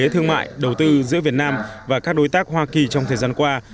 thương mại đầu tư giữa việt nam và các đối tác hoa kỳ trong thời gian qua